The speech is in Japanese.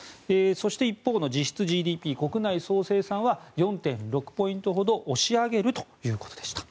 そして、一方の実質ＧＤＰ・国内総生産は４．６ポイントほど押し上げるということでした。